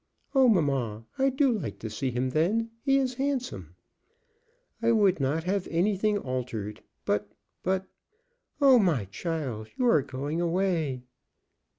"Oh, mamma, I do like to see him then. He is handsome." "I would not have anything altered. But but Oh, my child, you are going away!"